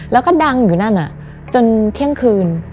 แล้วก็ดังอยู่นั่นจนเที่ยงคืน